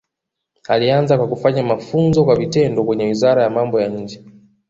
Alianza kwa kufanya mafunzo kwa vitendo kwenye Wizara ya Mambo ya Nje